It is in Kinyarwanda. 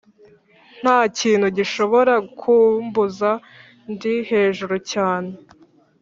ntakintu gishobora kumbuza, ndi hejuru cyane.